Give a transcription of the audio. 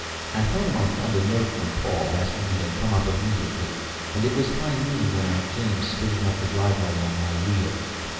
At home I found a note from Paul, asking me to come up immediately, and it was high noon when I came spinning up the driveway on my wheel.